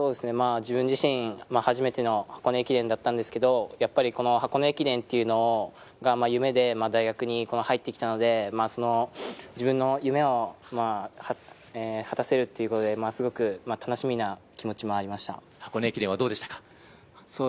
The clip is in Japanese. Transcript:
自分自身、初めての箱根駅伝だったんですけれど、箱根駅伝というのを夢で大学に入ったので、自分の夢を果たせるということで、すごく楽しみな気持ちもありました。